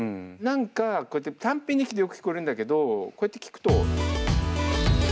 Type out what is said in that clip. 何かこうやって単品で聴くとよく聴こえるんだけどこうやって聴くと。